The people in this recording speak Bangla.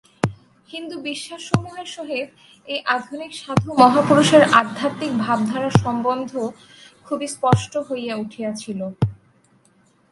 হিন্দু বিশ্বাসসমূহের সহিত এই আধুনিক সাধু মহাপুরুষের আধ্যাত্মিক ভাবধারার সম্বন্ধ খুবই স্পষ্ট হইয়া উঠিয়াছিল।